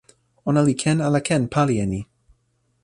ona li ken ala ken pali e ni?